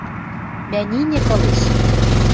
Мӓниньӹк ылеш.